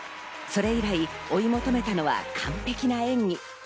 それ以来、追い求めたのは完璧な演技。